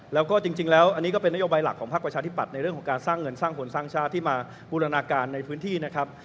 แล้วก็จริงแล้วอันนี้ก็เป็นนโยบายหลักของภาคประชาธิปัตย์ในเรื่องของการสร้างเงินสร้างคนสร้างชาติที่มาบูรณาการในพื้นที่นะครับ